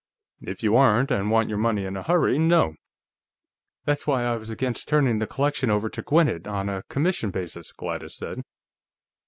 "If you aren't, and want your money in a hurry, no." "That's why I was against turning the collection over to Gwinnett on a commission basis," Gladys said.